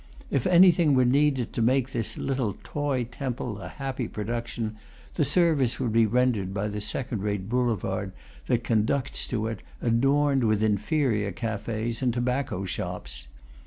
If anything were needed to make this little toy temple a happy production, the service would be rendered by the second rate boulevard that conducts to it, adorned with inferior cafes and tobacco shops.